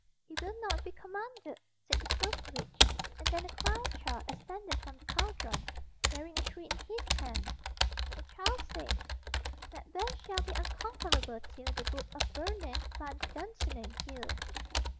"He will not be commanded," said the first witch, and then a crowned child ascended from the cauldron bearing a tree in his hand The child said "Macbeth shall be unconquerable till The Wood of Birnam climbs Dunsinane Hill."